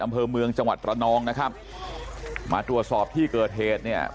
อำเภอเมืองจังหวัดตระนองนะครับมาตรวจสอบที่เกิดเหตุเนี่ย